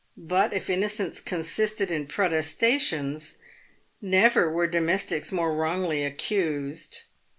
But if innocence consisted in protestations, never were domestics more wrongly ac cused.